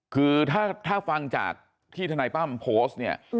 คือถ้าฟังจากที่ทนายตั้มโพสต์เนี่ย